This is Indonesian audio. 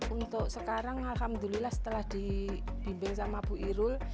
untuk sekarang alhamdulillah setelah dibimbing sama bu irul